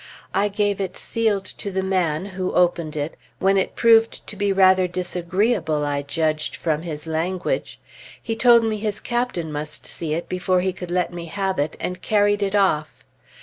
I gave it sealed to the man, who opened it, when it proved to be rather disagreeable, I judged from his language. He told me his captain must see it before he could let me have it, and carried it off.